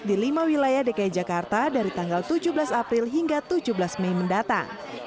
di lima wilayah dki jakarta dari tanggal tujuh belas april hingga tujuh belas mei mendatang